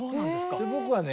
僕はね